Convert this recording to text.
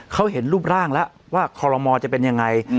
เขาเห็นรูปร่างแล้วว่าคอลโมจะเป็นยังไง